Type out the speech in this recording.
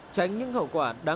tránh những hậu quả đáng khó khăn